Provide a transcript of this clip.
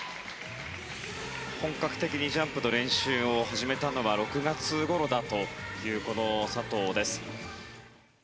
本格的にジャンプの練習を始めたのは６月ごろだという佐藤です。